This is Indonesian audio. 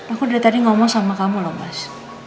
aku dari tadi ngomong sama kamu loh mas